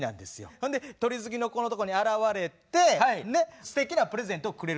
ほんで鳥好きの子のとこに現れてすてきなプレゼントをくれるっていうのをね